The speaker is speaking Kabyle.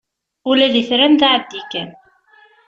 Ula d itran d aɛeddi kan.